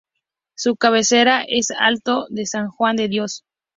Su cabecera es El Hato de San Juan de Dios.